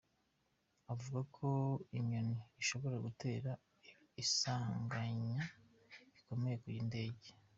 Avuga ko inyoni ishobora gutera isanganya rikomeye ku ndege.